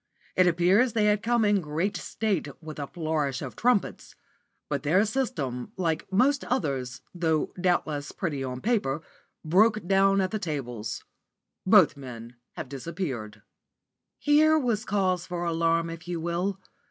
It appears they had come in great state with a flourish of trumpets; but their 'system,' like most others, though doubtless pretty on paper, broke down at the tables. Both men have disappeared." Here was cause for alarm if you will.